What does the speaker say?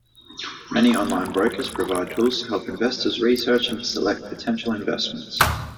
Many online brokers provide tools to help investors research and select potential investments.